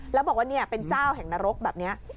แล้วบอกว่าเป็นเจ้าแห่งนรกแบบนี้